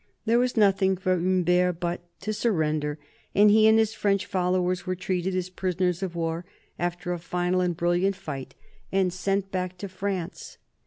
There was nothing for Humbert but to surrender, and he and his French followers were treated as prisoners of war after a final and brilliant fight and sent back to France.